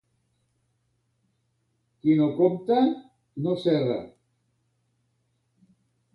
Qui no compta, no s'erra.